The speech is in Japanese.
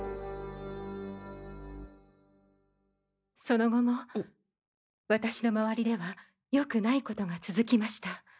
その後も私の周りでは良くないことが続きました。